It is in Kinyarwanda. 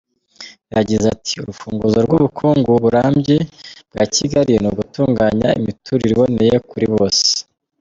Yagize ati: “Urufunguzo rw’ubukungu burambye bwa Kigali ni ugutunganya imiturire iboneye kuri bose”.